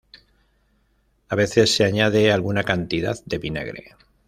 A veces se añade alguna cantidad de vinagre.